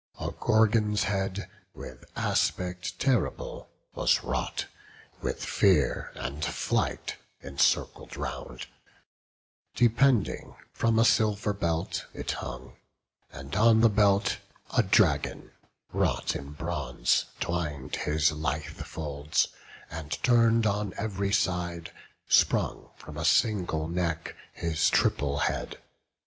A Gorgon's head, with aspect terrible, Was wrought, with Fear and Flight encircled round: Depending from a silver belt it hung; And on the belt a dragon, wrought in bronze, Twin'd his lithe folds, and turn'd on ev'ry side, Sprung from a single neck, his triple head.